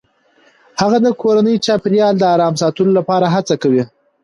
هغه د کورني چاپیریال د آرام ساتلو لپاره هڅه کوي.